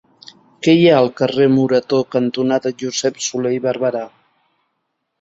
Què hi ha al carrer Morató cantonada Josep Solé i Barberà?